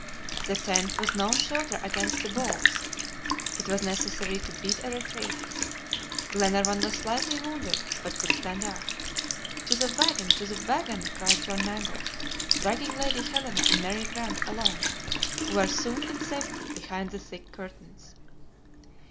The tent was no shelter against the balls. It was necessary to beat a retreat. Glenarvan was slightly wounded, but could stand up. "To the wagon to the wagon!" cried John Mangles, dragging Lady Helena and Mary Grant along, who were soon in safety behind the thick curtains.